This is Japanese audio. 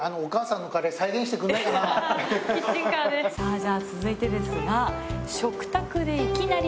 さぁじゃあ続いてですが。